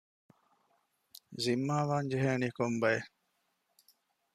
ޒިންމާވާން ޖެހެނީ ކޮން ބައެއް؟